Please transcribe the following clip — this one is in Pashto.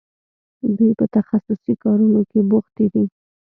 دوی په تخصصي کارونو کې بوختې دي.